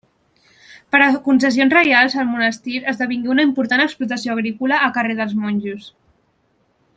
Per concessions reials al Monestir, esdevingué una important explotació agrícola a càrrec dels monjos.